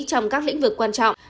trong các lĩnh vực quan trọng